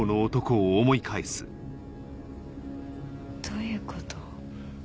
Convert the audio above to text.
どういうこと？